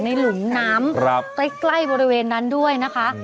หลุมน้ำใกล้บริเวณนั้นด้วยนะคะ